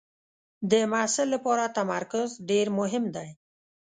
د محصل لپاره تمرکز ډېر مهم دی.